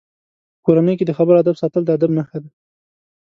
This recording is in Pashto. په کورنۍ کې د خبرو آدب ساتل د ادب نښه ده.